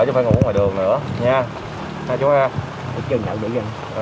chúng ta sẽ ngủ ở ngoài đường nữa ha chú ha